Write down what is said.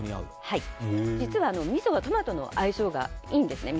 実はトマトと相性がいいんですね